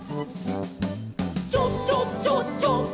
「チョチョチョチョ」